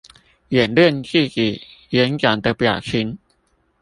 演練自己演講的表情